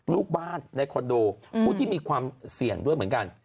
ลูกบ้านในคอนโดผู้ที่มีความเสี่ยงด้วยเหมือนกัน